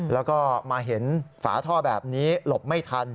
แล้วก็มาเห็นฝาท่อแบบนี้หลบไม่ทัน